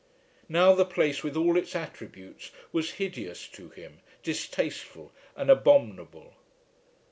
Now the place with all its attributes was hideous to him, distasteful, and abominable.